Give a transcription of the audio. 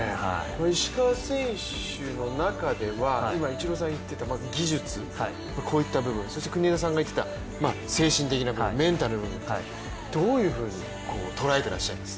石川選手の中では今、イチローさんが言っていた技術こういった部分、そして国枝さんが言っていた精神的な部分、メンタルの部分どういうふうに捉えていらっしゃいます？